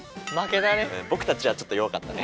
僕たちはちょっと弱かったね。